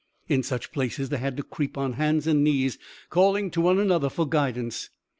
In such places they had to creep on hands and knees, calling to one another for guidance.